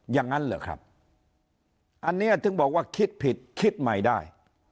อย่างนั้นเหรอครับอันนี้ถึงบอกว่าคิดผิดคิดใหม่ได้